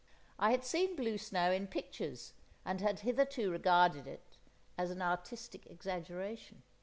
I had seen blue snow in pictures, and had hitherto regarded it as an artistic exaggeration.